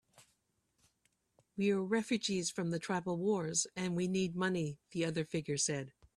"We're refugees from the tribal wars, and we need money," the other figure said.